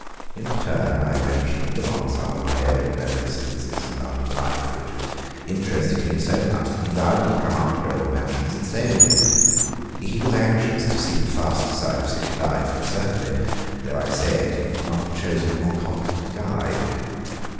In return, I ventured upon some of my own reminiscences of London life, which interested him so much, that he vowed he would come up to Grosvenor Mansions and stay with me. He was anxious to see the faster side of city life, and certainly, though I say it, he could not have chosen a more competent guide.